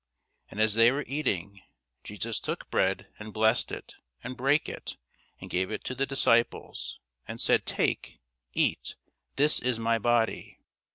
And as they were eating, Jesus took bread, and blessed it, and brake it, and gave it to the disciples, and said, Take, eat; this is my body.